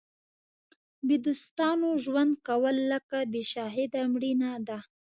بې دوستانو ژوند کول لکه بې شاهده مړینه ده.